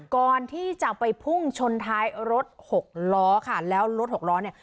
ก่อนที่จะไปพุ่งชนท้ายรถหกล้อค่ะแล้วรถหกล้อเนี่ย